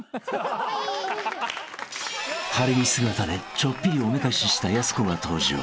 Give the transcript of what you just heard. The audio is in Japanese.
［晴れ着姿でちょっぴりおめかししたやす子が登場］